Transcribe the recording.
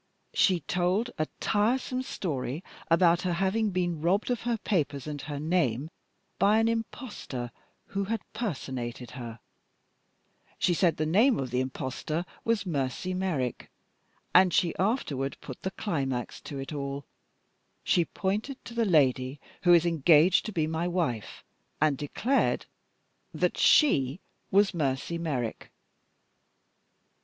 She told a tiresome story about her having been robbed of her papers and her name by an impostor who had personated her. She said the name of the impostor was Mercy Merrick. And she afterward put the climax to it all: she pointed to the lady who is engaged to be my wife, and declared that she was Mercy Merrick.